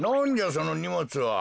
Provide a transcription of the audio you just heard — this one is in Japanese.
そのにもつは。